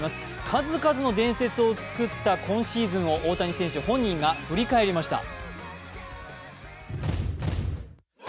数々の伝説を作った今シーズンを大谷選手本人が振り返りました。